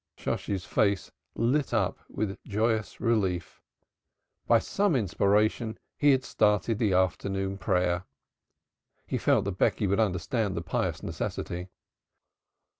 Shosshi's face lit up with joyous relief. By some inspiration he had started the afternoon prayer. He felt that Becky would understand the pious necessity.